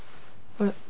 あれ？